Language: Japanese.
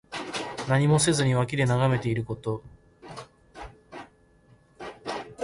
何もせずに脇で眺めていること。「拱手」は手をこまぬくの意味。